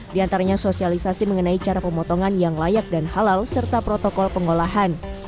di antaranya sosialisasi mengenai cara pemotongan yang layak dan halal serta protokol pengolahan